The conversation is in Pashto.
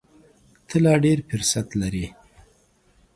ته لا ډېر فرصت لرې !